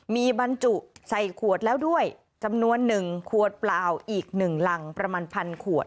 มีบรรจุใส่ขวดแล้วด้วยจำนวน๑ขวดเปล่าอีก๑รังประมาณพันขวด